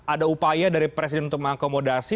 ada upaya dari presiden untuk mengakomodasi